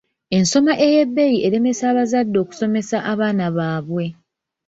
Ensoma ey'ebbeeyi eremesa abazadde okusomesa abaana baabwe.